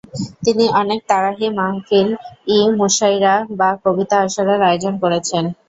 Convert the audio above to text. তিনি অনেক তারাহি মাহফিল ই মুশাইরা বা কবিতা আসরের আয়োজন করেছেন।